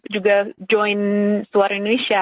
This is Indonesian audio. juga join suara indonesia